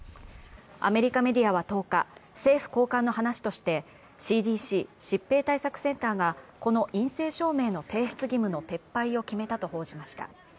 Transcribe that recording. アメリカメディアは１０日、政府高官の話としてＣＤＣ＝疾病対策センターがこの陰性証明の提出義務の撤廃を決めたと報じました。